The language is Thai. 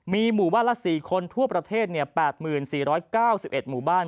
มีหมู่บ้านละ๔คนทั่วประเทศ๘๔๙๑หมู่บ้าน